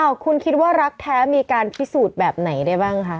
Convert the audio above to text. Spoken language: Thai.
คุณคิดว่ารักแท้มีการพิสูจน์แบบไหนได้บ้างคะ